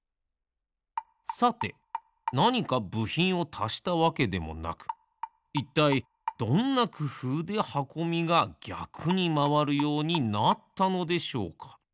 さてなにかぶひんをたしたわけでもなくいったいどんなくふうではこみがぎゃくにまわるようになったのでしょうか？